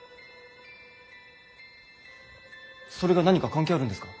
それが何か関係あるんですか？